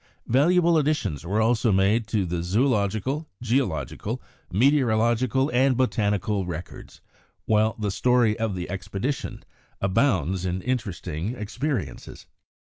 Valuable additions were also made to the zoological, geological, meteorological, and botanical records, while the story of the expedition abounds in interesting experiences.